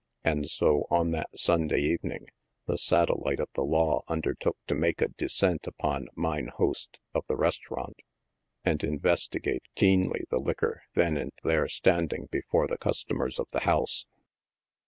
And so, on that Sunday evening, the satellite of the law undertook to make a descent upon " mine host" of the restaurant, and investi gate keenly the liquor then and there standing before the customers of the house.